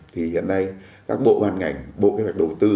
thì hiện nay các bộ ban ngành bộ kế hoạch đầu tư